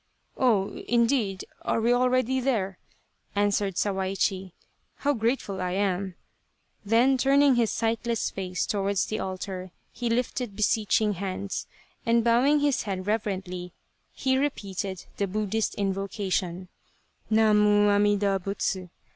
" Oh, indeed ! Are we already there f " answered Sawaichi, " how grateful I am !" then turning his sightless face towards the altar he lifted beseeching hands, and bowing his head reverently, he repeated the Buddhist invocation :" Namu Amida Butsu